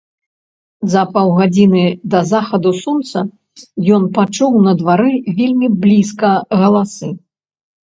За паўгадзіны да захаду сонца ён пачуў на двары вельмі блізка галасы.